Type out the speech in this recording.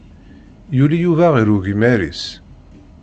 Yuli Yuba ɣef ugmar-is.